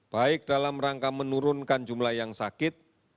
baik dalam rangka menurunkan jumlah yang sakit